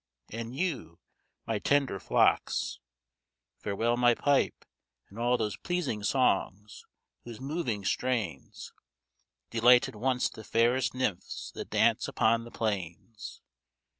and you, my tender flocks! Farewell my pipe, and all those pleasing songs, whose moving strains Delighted once the fairest nymphs that dance upon the plains!